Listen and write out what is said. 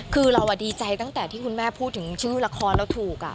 คือเราดีใจตั้งแต่ที่คุณแม่พูดถึงชื่อละครเราถูก